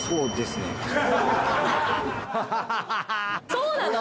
そうなの！？